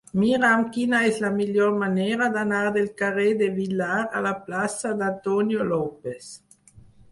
Mira'm quina és la millor manera d'anar del carrer de Villar a la plaça d'Antonio López.